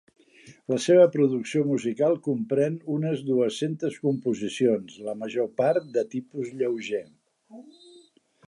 La seva producció musical comprèn unes dues-centes composicions, la major part de tipus lleuger.